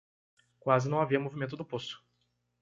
Quase não havia movimento do poço.